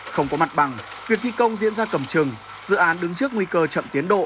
không có mặt bằng việc thi công diễn ra cầm trừng dự án đứng trước nguy cơ chậm tiến độ